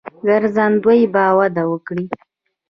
ګرځندوی به وده وکړي.